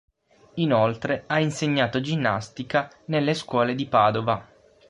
Inoltre ha insegnato ginnastica nelle scuole di Padova.